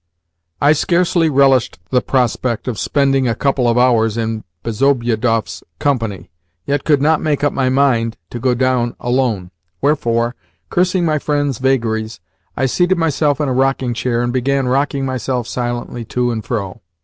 I scarcely relished the prospect of spending a couple of hours in Bezobiedoff's company, yet could not make up my mind to go down alone; wherefore, cursing my friend's vagaries, I seated myself in a rocking chair, and began rocking myself silently to and fro.